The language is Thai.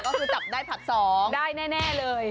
ก็คือจับได้ผลัด๒ได้แน่เลย